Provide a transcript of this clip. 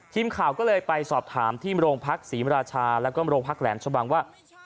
ทีมข่าวก็เลยไปสอบถามที่โรงพักศรีมราชาแล้วก็โรงพักแหลมชะบังว่า